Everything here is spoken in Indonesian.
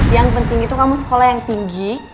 yang penting itu kamu sekolah yang tinggi